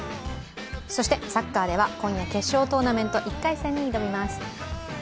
そしてサッカーでは今夜決勝トーナメント１回戦に挑みます。